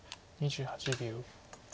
２８秒。